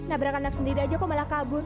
nabrak anak sendiri aja kok malah kabur